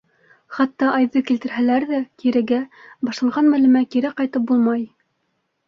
Хатта Айҙы килтерһәләр ҙә, кирегә, башланған мәлемә кире ҡайтып булмай.